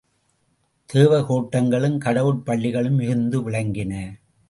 தேவகோட்டங்களும், கடவுட் பள்ளிகளும் மிகுந்து விளங்கின.